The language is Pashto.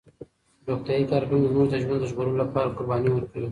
روغتیايي کارکوونکي زموږ د ژوند د ژغورلو لپاره قرباني ورکوي.